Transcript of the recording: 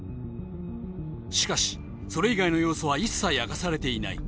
しかしそれ以外の要素は一切明かされていない